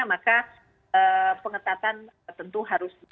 maka pengetatan tentu harus dilakukan kembali